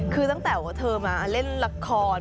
คือตั้งแต่ว่าเธอมาเล่นละคร